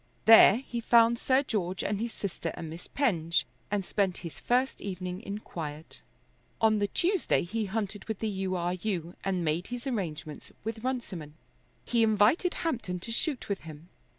There he found Sir George and his sister and Miss Penge, and spent his first evening in quiet. On the Tuesday he hunted with the U. R. U., and made his arrangements with Runciman. He invited Hampton to shoot with him.